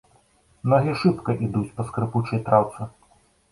Ногі шыбка ідуць па скрыпучай траўцы.